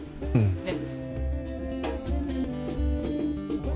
ねっ。